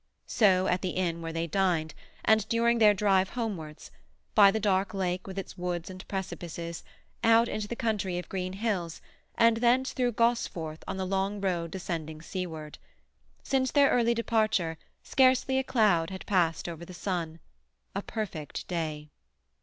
So at the inn where they dined, and during their drive homewards—by the dark lake with its woods and precipices, out into the country of green hills, and thence through Gosforth on the long road descending seaward. Since their early departure scarcely a cloud had passed over the sun—a perfect day.